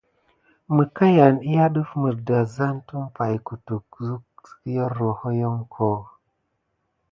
Məkayan yane def mis dedazan tumpay kutu suck kim kirore hohohokio.